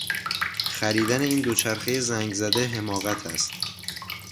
خریدن این دوچرخهی زنگزده حماقت است.